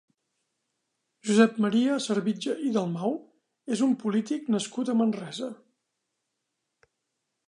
Josep Maria Servitje i Dalmau és un polític nascut a Manresa.